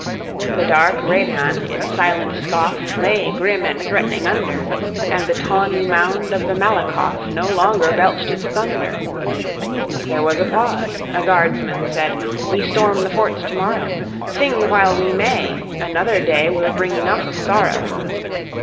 The dark Redan, in silent scoff, Lay, grim and threatening, under; And the tawny mound of the Malakoff No longer belched its thunder. There was a pause. A guardsman said, "We storm the forts to morrow; Sing while we may, another day Will bring enough of sorrow."